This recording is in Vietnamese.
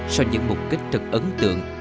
sau những mục đích thật ấn tượng